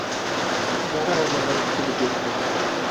Ярар әле беҙ килеп еттек.